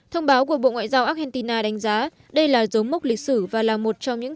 thông báo của bộ ngoại giao argentina đánh giá đây là dấu mốc lịch sử và là một trong những